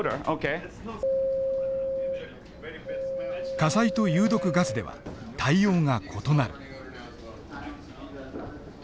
火災と有毒ガスでは対応が異なる。